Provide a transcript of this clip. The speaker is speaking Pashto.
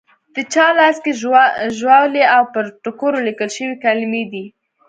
د چا لاس کې ژاولي او پر ټوکرو لیکل شوې کلیمې دي.